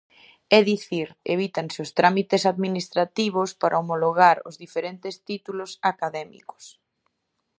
É dicir, evítanse os trámites administrativos para homologar os diferentes títulos académicos.